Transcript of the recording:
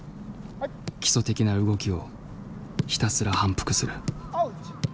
基礎的な動きをひたすら反復する。